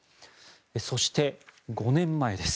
そして、５年前です。